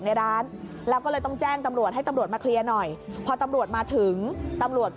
ค่ะแต่ว่าครั้งนี้หนักสุดก็คือเขาเครื่องจาน